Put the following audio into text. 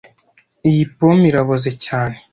Iyi pome iraboze cyane